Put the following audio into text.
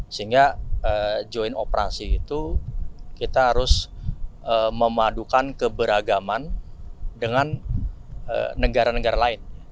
sehingga join operasi itu kita harus memadukan keberagaman dengan negara negara lain